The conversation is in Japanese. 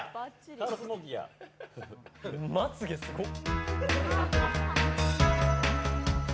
まつげ、すごっ。